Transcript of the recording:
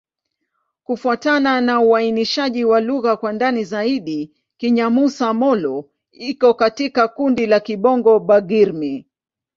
Kufuatana na uainishaji wa lugha kwa ndani zaidi, Kinyamusa-Molo iko katika kundi la Kibongo-Bagirmi.